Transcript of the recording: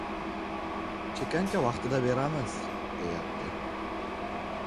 Chekanka vaqtida beramiz, deyapti.